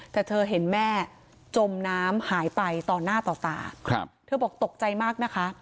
แต่เธอเห็นแม่จมน้ำหายไปต่อหน้าต่อตาเธอบอกตกใจมากนะคะ